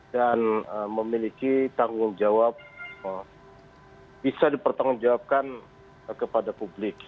dan memiliki tanggung jawab bisa dipertanggung jawabkan kepada publik